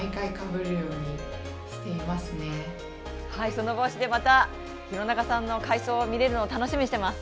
その帽子でまた廣中さんの快走を見られるのを楽しみにしています。